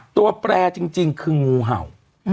แปรจริงคืองูเห่า